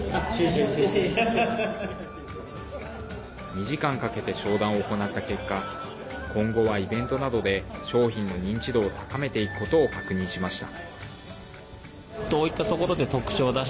２時間かけて商談を行った結果今後はイベントなどで商品の認知度を高めていくことを確認しました。